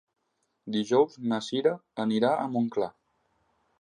Dijous na Cira anirà a Montclar.